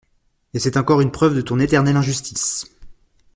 Et c’est encore une preuve de ton éternelle injustice !